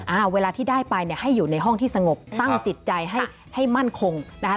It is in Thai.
อ่าเวลาที่ได้ไปเนี่ยให้อยู่ในห้องที่สงบตั้งจิตใจให้ให้มั่นคงนะคะ